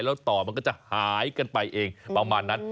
แล้วต่อมันก็จะหายกันไปเองประมาณนั้น